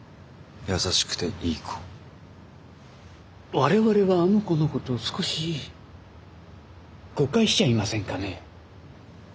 我々はあの子のこと少し誤解しちゃいませんかね？